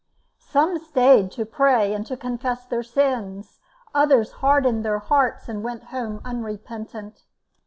Some stayed to pray and to confess their sins; others hardened their hearts and went home unrepentant.